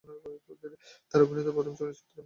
তার অভিনীত প্রথম চলচ্চিত্র মেঘলা আকাশ।